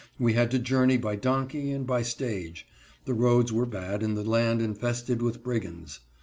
We had to journey by donkey and by stage; the roads were bad and the land infested with brigands.